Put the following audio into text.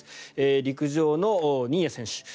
陸上の新谷選手。